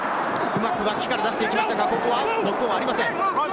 うまく脇から出していきました、ノックオンはありません。